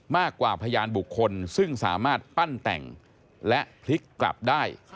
พยานบุคคลซึ่งสามารถปั้นแต่งและพลิกกลับได้